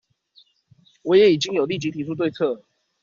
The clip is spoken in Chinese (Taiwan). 我也已經有立即提出對策